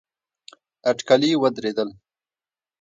اټکلي ودرېدل.